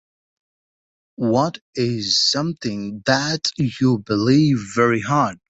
What is something that you believe very hard?